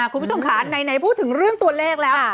คุณผู้ชมค่ะไหนพูดถึงเรื่องตัวเลขแล้ว